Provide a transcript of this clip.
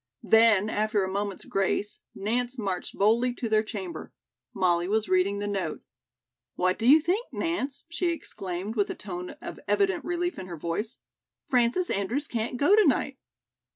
Then, after a moment's grace, Nance marched boldly to their chamber. Molly was reading the note. "What do you think, Nance?" she exclaimed with a tone of evident relief in her voice, "Frances Andrews can't go to night."